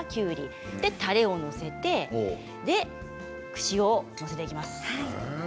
そして、たれを載せて串を載せていきます。